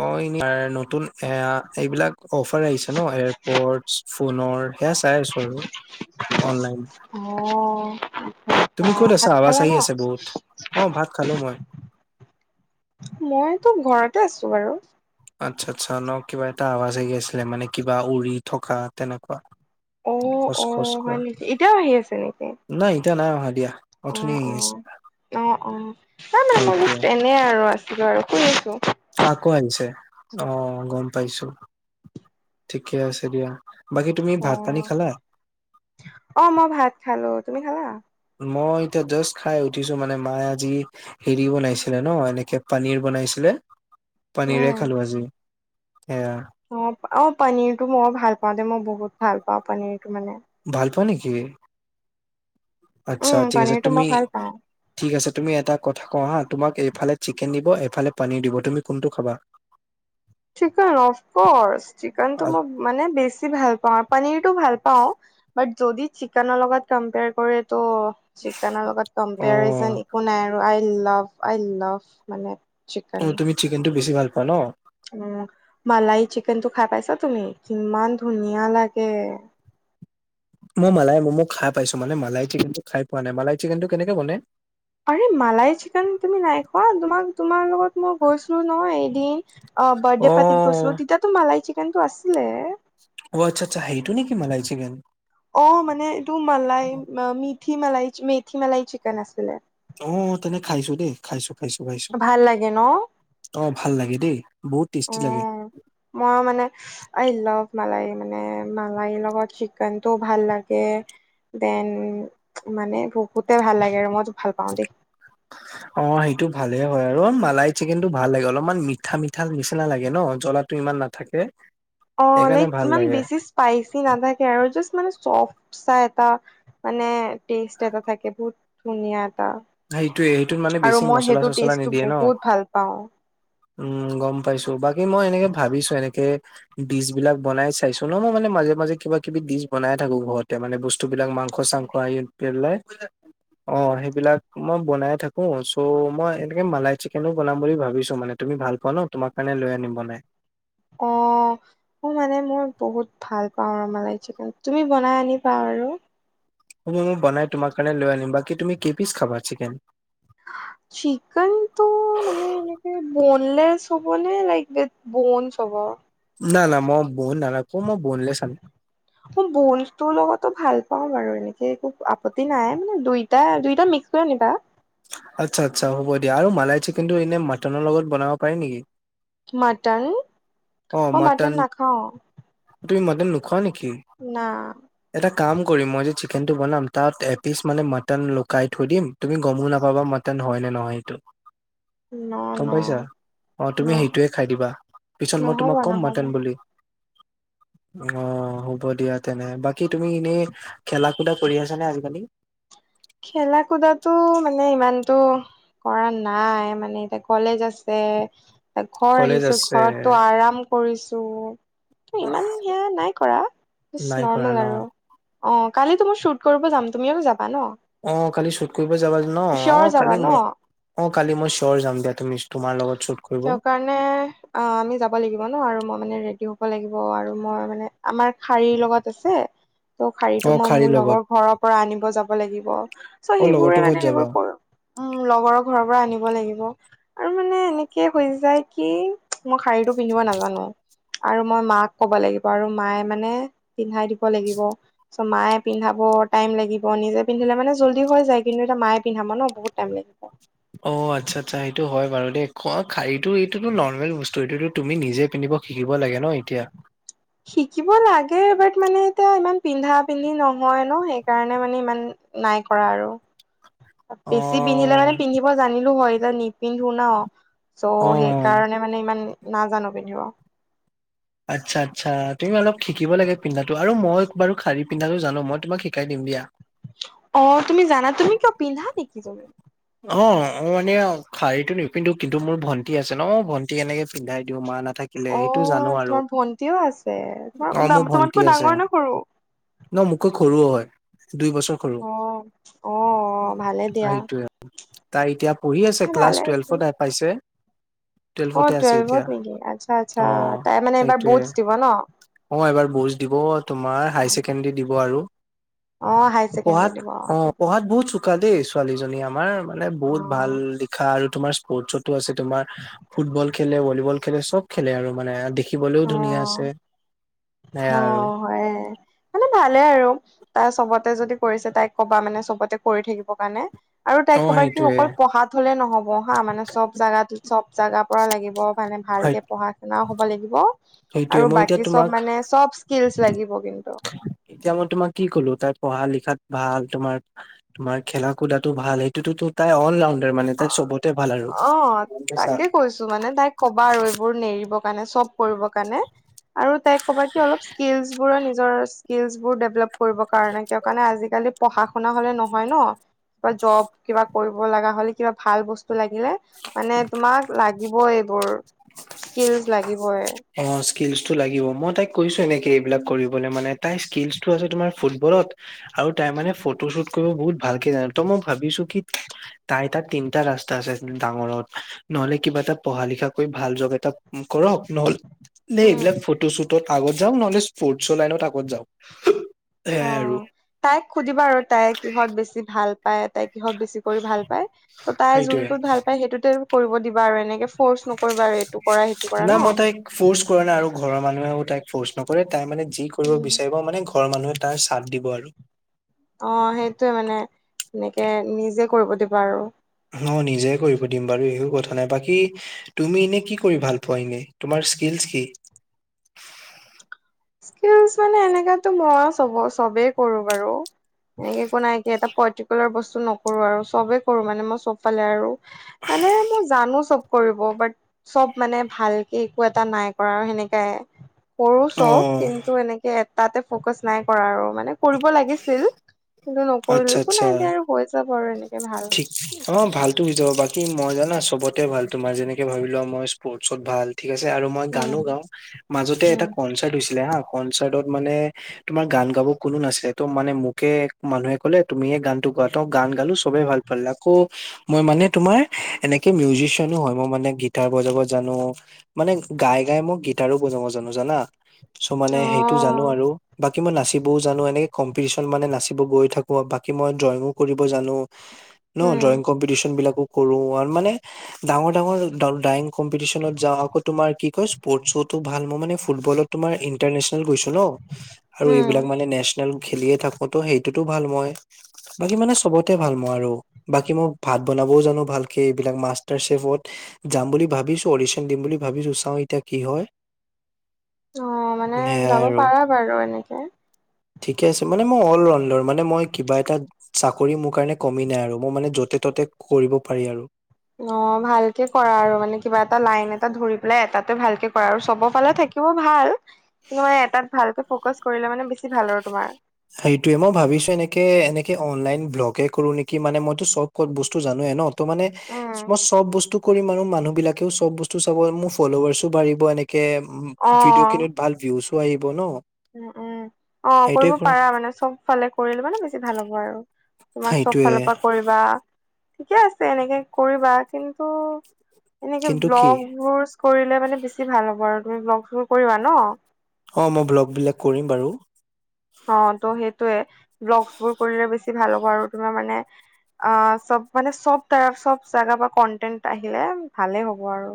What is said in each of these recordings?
অহ এনেই ছাৰে নতুন। এয়া এইবিলাক অফাৰ আহিছে ন এয়াৰপৰ্ট ফোনৰ সেয়া চাই আছো আৰু। অনলাইন। অ'হ। তুমি ক'ত আছা আৱাজ আহি আছে। বহুত অহ ভাত খালোঁ মই। মইতো ঘৰতে আছো বাৰু। আচ্ছা-আচ্ছা ন কিবা এটা আৱাজ ‌আহি আছিলে। মানে কিবা উৰি থকা তেনেকুৱা। অ', খচ অ', খচ হয় কৰা নেকি এতিয়াও আহি আছে নেকি? নাই। এতিয়া নাই। অহা দিয়া। অথনি অ', আহি আছে অ', অ', অ', তাৰ মানে মই সেইটোৱে তেনে আৰু আছিলোঁ আৰু শুই আছো। আকৌ আহিছে অহ', গম পাইছোঁ। ঠিকে আছে দিয়া। বাকী তুমি ভাত পানী খালা। অহ', মই ভাত খালোঁ তুমি খালা। মই এতিয়া জাষ্ট খাই উঠিছো মানে মায়ে আজি। হেৰি বনাইছিলে ন এনেকে পনীৰ বনাইছিলে। পানীৰে খালোঁ আজি সেয়া। অহ', অহ', পনীৰটো মই ভাল পাওঁ। দে মই বহুত ভাল পাওঁ। পনীৰটো মানে। ভাল পোৱা নেকি? আচ্ছা উম, ঠিক আছে পনীৰটো তুমি। মই ভাল পাওঁ। ঠিক আছে তুমি এটা কথা কওঁ হা তোমাক এইফালে চিকেন দিব এইফালে পনীৰ দিব তুমি কোনটো খাবা। [inaudible] চিকেন অফকৰ্চ চিকেনতটো আ- মই মানে বেছি ভাল পাওঁ আৰু পনিৰটো ভাল পাওঁ। বাট যদি চিকেনৰ লগত কম্পেয়াৰ কৰে তো। চিকনৰ লগত অ কম্পেৰিজন একো নাই আৰু আই লাভ আই লাভ মানে। অঁ তুমি চিকেন টো বেছি ভাল পোৱা ন। উঁ মালাই চিকেন টো খাই পাইছা তুমি কিমান ধুনীয়া লাগে। মই মালাই মই খাই পাইছো মানে মালাই চিকেনটো খাই পোৱা নাই মাল চিকেন টো কেনেকে বনাই? আৰে মালাই চিকেন তুমি নাই খোৱা তোমাক তোমাৰ লগত মই গৈছিলো ন এদিন অঁ অ বাৰ্থডে পাৰ্টিত গৈছিলো। তেতিয়াতো মালাই চিকেনটো আছিলে। অঁ আচ্ছা আচ্ছা হেইটো নেকি মালাই চিকেন অ মানে এইটো মালাই মিথি মালাই মেথি মালাই চিকেন আছিলে। ওম ওম তেনে খাইছো দেই খাইছো খাইছো খাইছো ভাল লাগে ন অঁ ভাল লাগে দেই বহুত টেষ্টি লাগে। উম মই মানে আই লাভ মালাই মানে মালাই লগত চিকনতটো ভাল লাগে। দেন মানে বহুতে ভাল লাগে আৰু মই ভাল পাওঁ দেই। [unintelligible] অঁ সেইটো ভালে হয় আৰু মালাই চিকেন টো ভাল লাগে অলপমান মিঠা মিঠা নিচিনা লাগে ন জ্বলা টো ইমান নাথাকে। অঁ সেইকাৰণে লাইক ভাল ইমান লাগে। বেছি স্পাইচি নাথাকে আৰু জাচ মানে চফ চ এটা মানে টেষ্ট এটা থাকে বহুত ধুনীয়া এটা সেইটোৱে সেইটোত মানে আৰু বেছি মই মচলা সেইটো চচলা টেষ্টটো নিদিয়ে ন। বহুত ভাল পাওঁ উমঁ গম পাইছো বাকী মই এনেকে ভাবিছো এনেকে ডিচ বিলাক বনাই চাইছো ন মই মানে মাজে মাজে কিবা কিবি ডিচ বনাই থাকো ঘৰতে মানে বস্তু বিলাক মাংস চাংস বাহিৰত গৈ পেলাই অ সেইবিলাক মই বনাই থাকো চ' মই এনেকে মালাই চিকেনো বনাম বুলি ভাবিছো মানে তুমি ভাল পোৱা ন। তোমাৰ কাৰণে লৈ আনিব বনাই। অঁ! অঁ মানে মই বহুত ভাল পাওঁ আৰু মালাত চিকেন তুমি বনাই আনিবা আৰু। মই বনাই তোমাৰ কাৰণে লৈ আনিম বাকি তুমি কেই পিছ খাবা চিকেন? চিকন তো মানে এনেকে বনলেছ হ'ব নে লাইকে ব'ঞ্চ হ'ব। না না মই বন নাৰাখু মই বনলেছ ৰাখো। বল তৰ লগতো ভাল পাওঁ বাৰু এনেকে একো আপত্তি নাই মানে দুই তাৰ দুইটা মিক্স কৈ আনিবা। আচ্ছা আচ্ছা হ'ব দিয়া আৰু মালাই চিকেনটো এনে মাটনৰ লগত বনাব পাৰি নেকি? মাটন অ অঁ মাটন মটন নাখাওঁ। তুমি মাটন নোখোৱা নেকি? না - এটা কাম কৰিম মই যে চিকেনটো বনাম তাত এপিচ মানে মটন লুকাই থৈ দিম তুমি গমো নাপাবা মটন হয় নে নহয় সেইটো। ন গম ন পাইছা অ ন তুমি সেইটোয়ে খাই দিবা পিছত মই নহ'ব তোমাক কম নহ'ব মাটন বুলি। [inaudible] অঁ হ'ব দিয়া তেনে বাকী তুমি এনেই খেলা খুদা কৰি আছা নে আজিকালি? খেলা কুদাতো মানে ইমানটো কৰা নাই মানে এতিয়া কলেজ আছে। ঘৰ কলেজ আহিছোঁ, আছে ঘৰতো আৰাম কৰিছোঁ। ইমান সেয়া নাই কৰা, নাই যাষ্ট কৰা নৰ্মেল ন আৰু। অ' কালিতো মোৰ শ্বুট কৰিব যাম, তুমিও যাবা ন'? অ' কালি শ্বুট কৰিব যাবা ন' চিয়ৰ অ' যাবা কালি মোক ন অ' কালি মই চিঅৰ যাম দিয়া তুমি তোমাৰ লগত। শ্বুট কৰিব কিহৰ কাৰণে? অ' আমি যাব লাগিব ন' আৰু মই মানে ৰেডি হ'ব লাগিব আৰু মই মানে আমাৰ শাৰীৰ লগত আছে। ত' অ শাৰীটো মই খাৰী মোৰ লগত লগৰ ঘৰৰ পৰা আনিব যাব লাগিব। চ' অ সেইবোৰে লগৰটো ঘৰত মানে যাবা সেইবোৰ কৰ উ, লগৰৰ ঘৰৰ পৰা আনিব লাগিব আৰু মানে এনে কি হৈ যায় কি, মই শাৰীটো পিন্ধিব নাজানো। আৰু মই মাক ক'ব লাগিব আৰু মায়ে মানে পিন্ধাই দিব লাগিব। চ' মায়ে পিন্ধাব, টাইম লাগিব, নিজে পিন্ধিলে মানে জল্দি হৈ যায় কিন্তু এতিয়া মায়ে পিন্ধাব ন' বহুত টাইম লাগিব। অ' আচ্ছা আচ্ছা সেইটো হয় বাৰু দে, সুৱা শাৰীটো এইটোতো নৰ্মেল বস্তু, এইটোটো তুমি নিজে পিন্ধিব শিকিব লাগে ন' এতিয়া। শিকিব লাগেবাট মানে এতিয়া ইমান পিন্ধা পিন্ধি নহয় ন' সেইকাৰণে মানে ইমান নাই কৰা আৰু। অ বেছি পিন্ধিলে মানে পিন্ধিব জানিলো হয়, এতিয়া নিপিন্ধো ন'। চ' অ সেইকাৰণে মানে ইমান নাজানো পিন্ধিব। আচ্ছা আচ্ছা, তুমি অলপ শিকিব লাগে পিন্ধাটো আৰু মই বাৰু শাৰী পিন্ধাটো জানো, মই তোমাক শিকাই দিম দিয়া অ' তুমি জানা, তুমি কিয় পিন্ধা নেকি? অ' মই মানে শাৰীটো নিপিন্ধো কিন্তু মোৰ ভন্টি আছে ন' ভন্টি এনেকে পিন্ধাই দিও মা নাথা পিলে, এইটো জানো আৰু। ভণ্টিও আছে, অ মোৰ তোমাৰ ভন্টি তোমাতকৈ আছে ডাঙৰ নে সৰু? ন' মোতকৈ সৰু হয়, দুই বছৰ সৰু। অ অ ভালে দিয়া আইটোৱে। তাই এতিয়া পঢ়ি আছে, ক্লাছ ভালে আছে টুৱেলভত আহি পাইছে। অ' টুৱেলভতে আছে এতিয়া টুৱেলভত নেকি আচ্ছা আচ্ছা, অ তাই মানে এইবাৰ সেইটোয়ে। ব'টছ দিব ন'? অ' এইবাৰ ব'টছ দিব, তোমাৰ হাই ছেকেণ্ডেৰী দিব আৰু। অ হাই ছেকেণ্ডৰী পঢ়াত দিব অ' ঠিক আছে পঢ়াত বহুত ছো কা দেই ছোৱালীজনী আমাৰ মানে বহুত ভাল অ লিখা আৰু তোমাৰ স্পৰ্টছত তো আছে তোমাৰ ফুটবল খেলে, ভলীবল খেলে, চব খেলে আৰু মানে দেখি দেখিবলৈও ধুনীয়া আছে, অ', সেয়া আৰু। অ', হয়ে মানে ভালে আৰু, তাই চবতে যদি কৰিছে যদি তাইক কবা মানে চবতে কৰি থাকিব কাৰণে। আৰু তাই অ ক'বা কি সেইটোয়ে অকল পঢ়াত হ'লে নহ'ব হা, মানে চব জাগাটো চব জাগাৰ পৰা লাগিব মানে হয় ভালকে পঢ়া শুনাও হ'ব লাগিব। সেইটোয়ে আৰু মই এতিয়া বাকী চব তোমাক মানে চব স্কিলচ লাগিব কিন্তু। এতিয়া মই তোমাক কি কলোঁ তাই পঢ়া লিখাত ভাল তোমাৰ তোমাৰ খেলা কোদাটো ভাল, সেইটোতো তাই অল ৰাউণ্ড অ', অ' পাইছা তাকে কৈছোঁ মানে তাইক ক'বা আৰু বুৰ নেৰিব কাৰণে, চব কৰিব কাৰণে আৰু তাইক ক'বা কি অলপ স্কিলবোৰে নিজৰ স্কিলছবোৰ ডেভেলপ কৰিবৰ কাৰণে, কিয় কাৰণে আজিকালি পঢ়া শুনা হ'লে নহয় ন' বা জব, কিবা কৰিব লগা হ'লে, কিবা ভাল বস্তু লাগিলে মানে তোমাক লাগিবই এইবোৰ, স্কিলচ লাগিবই। অ' স্কিলছটো লাগিব, মই তাইক কৈছোঁ এনেকে এইবিলাক কৰিবলৈ, মানে তাই স্কিলছটো আছে তোমাৰ ফুটবলত আৰু তাই মানে ফটোশ্বুট কৰিব বহুত ভালকে জানে। ত' মই ভাবিছো কি- তাই তাত তিনিটা ৰাস্তা আছে ডাঙৰত। নহ'লে কিবা এটা পঢ়া লিখা কৰি ভাল জব এটা কৰক নহ'লে- লে এইবিলাক ফটো শ্বুটত আগত যাওঁক নহ'লে স্পৰ্টচৰ লাইনত আগত যাওঁ, অ সেয়াই আৰু। তাইক সুধিবা আৰু তাই কিহঁত বেছি ভাল পায়। তাই কিহত বেছি কৰি ভাল পায়। ত' তাই সেইটোয়ে যোনটোত ভাল পায় সেইটোতে কৰিব দিবা আৰু এনেকে ফ্ৰৰ্চ নকৰিবা আৰু এইটো কৰা সেইটো কৰা ন। ফ্ৰ'ৰ্চ কৰা নাই আৰু ঘৰৰ মানুহেও তাইক ফ্ৰৰ্চ নকৰে তাই মানে যি কৰিব উম বিচাৰিব মানে ঘৰৰ মানুহে তাৰ চাদ দিব আৰু। অঁ' সেইটোৱে মানে এনেকে নিজে কৰিব দিবা আৰু। অঁ' নিজে কৰিব দিম বাৰু একো কথা নাই। বাকী- তুমি এনেই কি কৰি ভাল পোৱা এনেই তোমাৰ স্কিলছ কি? স্কিলচ মানে এনেকাতো মই চ'ব চবেই কৰো বাৰু। এনেকে একো নাই, এনেকে এটা পাৰ্টিকুলাৰ বস্তু নকৰো আৰু চবেই কৰো মানে মই চ'ব ফালে আৰু। মানে মই জানো চ'ব কৰিব বাট- চ'ব মানে ভালকে একো এটা নাই কৰা আৰু সেনেকাই। কৰো অ চ'ব কিন্তু এনেকে এটাতে ফ্ৰকাচ নাই কৰা আৰু মানে কৰিব লাগিছিল। কিন্তু আচ্ছা নকৰিলো, একো নাই আচ্ছা দিয়া আৰু হৈ যাব আৰু এনেকে ভাল। অঁ' ভালতো হৈ যাব, বাকী মই জানা চবতে ভাল, তোমাৰ যেনেকে ভাবিলোৱা মই স্পৰ্টচত ভাল- ঠিক আছে আৰু মই গানো উম গাওঁ, মাজতে এটা উম কনচ চেত হৈছিলে হা' কনচেতত মানে তোমাৰ গান গাব কোনো নাছিলে, ত' মানে মোকে মানুহে ক'লে তুমিয়ে গানটো গোৱা, ত' গান গালো চবেই ভাল পালে আকৌ- মই মানে তোমাৰ এনেকে মিউজিচিয়ানো হয়। মই মানে গিটাৰ বজাব জানো- মানে গাই গাই মোক গীটাৰো বজাব জানো জানা। চ' মানে অ সেইটো জানো আৰু বাকী মই নাচিবও জানো, এনেকে কম্পিটিচন মানে নাচি ব গৈ থাকো, বাকি মই ড্ৰয়িংয়ো কৰিব জানো, ড্ৰয়িং উম কম্পিটিচন বিলাকো কৰো আৰু মানে- ডাঙৰ ডাঙৰ ড্ৰিয়িং কম্পিটিচনত যাওঁ আকৌ তোমাৰ কি কয় স্পৰ্ট শ্ব'তো ভাল, মোৰ মানে ফুটবলত- তোমাৰ ইন্টাৰনেচনেল গৈছো ন' আৰু উম এইবিলাক মানে নেচনেল খেলিয়ে থাকো। ত' সেইটোতো ভাল মই, বাকী মানে চবতে ভাল মই আৰু। বাকী মই ভাত বনাবও জানো ভালকে এইবিলাক মাষ্টাৰ চেফত- যাম বুলি ভাবিছো অডিশ্যন দিম বুলি ভাবিছোঁ, চাওঁ এতিয়া কি হয়। অঁ মানে সেয়াই যাব আৰু পাৰা বাৰু এনেকে। ঠিকে আছে মানে মই অল ৰাউন্ডাৰ মানে মই কিবা এটা- চাকৰি মোৰ কাৰণে কমি নাই আৰু মই মানে য'তে ত'তে কৰিব পাৰিম আৰু। অঁ' ভালকে কৰা আৰু কিবা এটা লাইন এটা ধৰি পেলাই এটাতে ভালকে কৰা আৰু চবৰ ফালে থাকি থাকিও ভাল মানে এটাত ভালকে ফকাচ কৰিলে মানে বেছি ভাল আৰু তোমাৰ। সেইটোয়ে, মই ভাবিছো এনেকে এনেকে অনলাইন ব্লগে কৰো নেকি মানে মইতো চ'ব ক'ত বস্তু জানোয়ে ন'। ত' মানে উম মই চ'ব বস্তু কৰিম আৰু মানুহ বিলাকে‌ও চ'ব বস্তু চাব, মোৰ ফল্লোৱাছ বাঢ়িব এনে কে উমঁ' অ ভিডিঅ' খিনিত ভাল ভিউচও আহিব ন'। উমঁ' উমঁ' অহ' সেইটোৱে কৰিব কৰো পাৰা মানে চ'ব ফালে কৰিলো মানে বেছি ভাল হ'ব আৰু। তোমাৰ চ'ব সেইটোৱে ফালৰ পৰা কৰিবা ঠিকে আছে এনেকে কৰিবা কিন্তু- এনেকে কিন্তু কি ব্লগবোৰ কৰিলে মানে বেছি ভাল হ'ব আৰু তুমি ব্লগবোৰ কৰিবা ন'? অঁ' মই ব্লগবিলাক কৰিম বাৰু। অঁ' ত' সেইটোয়ে, ব্লগবোৰ কৰিলে বেছি ভাল হ'ব আৰু তোমাৰ মানে- আহ' চ'ব মানে চ'ব তাৰ চ'ব জাগা পৰা কন্টেণ্ট আহিলে ভালেই হ'ব আৰু।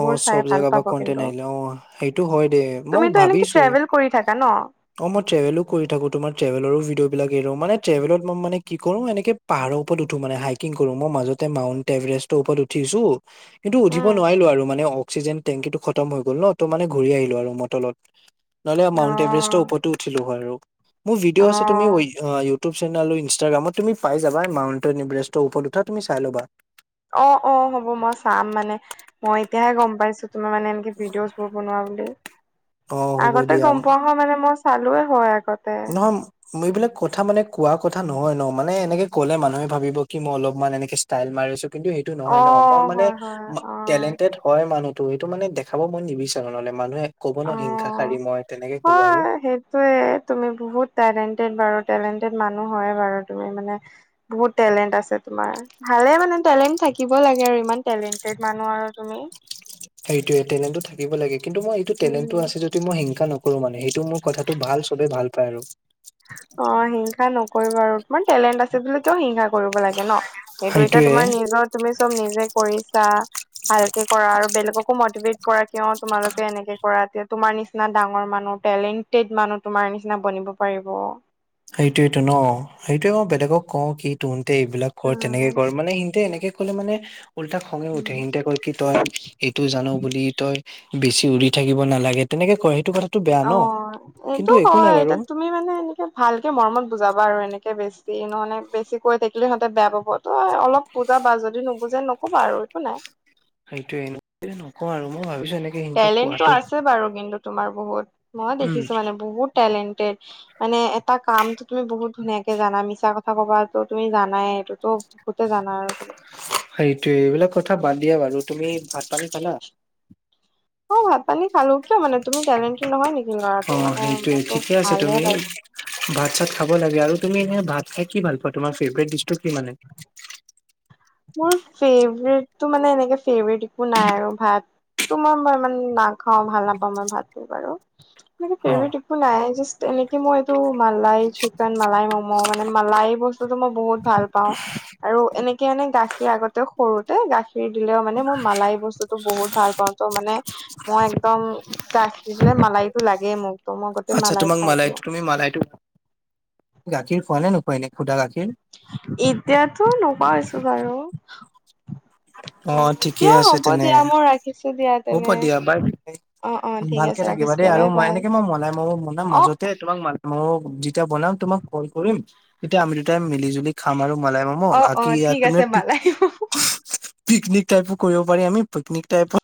অ চাই চব ভাল জেগা পা পাব কন্টেন কিন্তু। আহিলে অ সেইটো হয় দে মই তুমিতো এনেকে ভাবিছো ট্ৰেভেল কৰি থাকা ন অ মই ট্ৰেভেলো কৰি থাকো তোমাৰ ট্ৰেভেলৰো ভিডিঅ বিলাক এৰো মানে ট্ৰেভেলত মই মানে কি কৰো এনেকে পাহাৰৰ ওপৰত উঠো মানে হাইকিং কৰো মই মাজতে মাউন্ট এভাৰেষ্টৰ ওপৰত উঠিছো কিন্তু উঠিব উম, নোৱাৰিলো আৰু মানে অক্সিজেন টেংকিটো খটম হৈ গ'ল ন ত' মানে ঘূৰি আহিলো আৰু মটলত নহলে মাউন্ট এভাৰেষ্টৰ অ', ওপৰত উঠিলো হয় আৰু মোৰ ভিডিঅ' আছে তুমি অ', অই আ ইউ ইউটিউব চেনেল ইনষ্টাগ্ৰামত তুমি পাই যাবা মাউন্টে এভাৰেষ্টৰ ওপৰত উঠা তুমি চাই লবা অ অ হ'ব মই চাম মানে মই এতিয়াহে গম পাইছো তোমাৰ মানে ভিডিঅছ্ বোৰ বনোৱা বুলি অ হ'ব আগতে দিয়া গম পোৱা হয় মানে মই চালোৱে হয় আগতে নহম মই এইবিলাক কথা মানে কোৱা কথা নহয় ন মানে এনেকে কলে মানুহে ভাবিব কি মই অলপমান এনেকে ষ্টাইল মাৰিছো কিন্তু সেইটো নহয় ন মই অ', মানে হয়, হয়, অ', টেলেণ্টেড হয় মানুহতো এইটো মানে দেখাব মই নিবিচাৰো মানে নহ'লে মানুহে ক'ব ন হিংসাষাৰী মই তেনেকে ক'ব আৰু ত তুমি বহুত টেলেণ্টেড বাৰু টেলেণ্টেড মানুহ হয় বাৰু তুমি মানে বহুত টেলেণ্ট আছে তোমাৰ ভালে মানে টেলেণ্ট থাকিব লাগে আৰু ইমান টেলেণ্টেড মানুহ আৰু তুমি সেইটোয়ে টলেণ্টটো থাকিব লাগে কিন্তু মই এইটো টেলেণ্টো উম আছে যদি মই হিংসা নক কৰো মানে সেইটো মোৰ কথাটো ভাল চবে ভাল পায় আৰু অ হিংসা নকৰিবা আৰু তোমাৰ টেলেণ্ট আছে বুলি কিয় হিংসা কৰিব লাগে ন সেইটো এতিয়া সেইটোয়ে তোমাৰ নিজৰ তুমি চব নিজে কৰিছা ভালকে কৰা আৰু বেলেগকো মটিভেট কৰা কিয় তোমালোকে এনেকে কৰা তোমাৰ নিচ না ডাঙৰ মানুহ টেলেণ্টেড মানুহ তোমাৰ নিচিনা বনিব পাৰিব সেইটোৱেটো ন সেইটোয়ে মই বেলেগক কওঁ কি তোহতে এইবিলাক কৰ তেনেকে কৰ মানে সেনতে এনেকে ক'লে মানে উল্টা খঙে উম উঠে সিনতে কয় কি তই এইটো জানো বুলি তই বেছি উৰি থাকিব নালাগে তেনেকে কয় সেইটো কথা অ এইটো হয় এতি তো তুমি মানে এনেকে ভালকে মৰমত বুজাবা আৰু এনেকে বেছি নহলে বেছি কৈ থাকিলে সিহঁতে বেয়া পাব আ অলপ বুজাবা যদি নুবুজে নকবা আৰু একো নাই সেইটোয়ে এনে নকওঁ আৰু মই ভাবিছো এনেক টেলেণ্টটো আছে বাৰু কিন্তু তোমাৰ বহুত মই উম দেখিছো মানে বহুত টেলেণ্টেড মানে এটা কামটো তুমি বহুত ধুনীয়াকে জানা মিছা কথা কবাতো তুমি জানাই এইটোতো বহুতে জানা আৰু তুমি সেইটোয়ে এইবিলাক কথা বাদ দিয়া বাৰু তুমি ভাত পানী খালা অ ভাত পানী খালো কিয় মানে তুমি টেলেণ্টেড নহয় নেকি অ ল'ৰাটো মানে সেইটোয়ে মোৰতো ঠিকে আছে ভালহে তুমি পাইছে ভাত চাত খাবই লাগে আৰু তুমি এ ভাত খাই কি ভাল পোৱা তোমাৰ ফেভৰেট ডিচটো কি মানে মোৰ ফেভৰেটটো মানে এনেকে ফেভৰেট একো নাই আৰু ভাত তোমাৰ মই ইমান নাখাও ভাল নাপাওঁ মই ভাতটো বাৰু কিন্তু অ ফেভৰেট নাই জাষ্ট এনেকে মই এইটো মালাই চিকেন মালাই ম'ম' মানে মালাই বস্ স্তুটো মমই বহুত ভাল পাও আৰু এনেকে এনে গাখীৰ আগতে সৰুতে গাখীৰ দিলেও মানে মোৰ মালাই বস্তুটো বহুত ভাল পাওঁ ত মানে মই একদম গাখীৰ দিলে মালাইটো লাগেই মোক ত' মই গোটেই আচ্ছা মালাই তোমাক খাই দিওঁ মালাইটো তুমি মালাইটো গাখীৰ খোৱা নে নোখোৱা এনে খুদা গাখীৰ এতিয়াতো নকোৱা হৈছো বাৰু অ ঠিকে দিয়া আছে হ'ব তেনে দিয়া মই ৰাখিছো দিয়া হ'ব তেনে দিয়া বাই বাই অ', অ', ঠিক ভালকে আছে থাকিবা ৰাখিছো দেই দে আৰু বাই মই বাই। এনেকে মই মনাই মই মনাম অ', মাজতে তোমাক মক যেতিয়া বনাম তোমাক কল কৰিম তেতিয়া আমি দুটাই মিলি-জুলি খামা আৰু মলাই মাম' অ', বাকি অ', ইয়াত ঠিক তুমি আছে প মাল আহিব। পিকনিক টাইপো কৰিব পাৰি আমি পিকনিক টাইপ